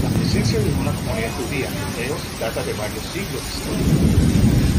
La presencia de una comunidad judía en Burdeos data de varios siglos de historia.